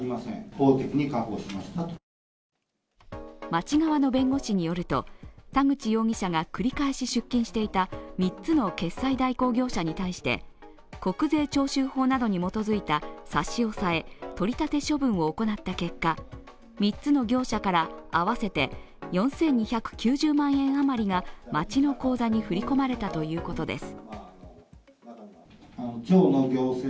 町側の弁護士によると田口容疑者が繰り返し出金していた３つの決済代行業者に対して国税徴収法などに基づいた差し押さえ・取り立て処分を行った結果３つの業者から合わせて４２９０万円余りが町の口座に振り込まれたということです。